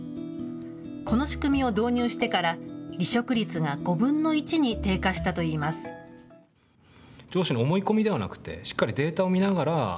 この仕組みを導入してから、離職率が５分の１に低下したといいます。